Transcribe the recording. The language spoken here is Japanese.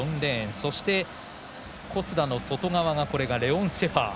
そして、小須田の外側がレオン・シェファー。